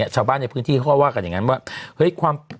ชาวบ้านในพื้นที่เขาก็ว่ากันอย่างนั้นว่าเฮ้ยความ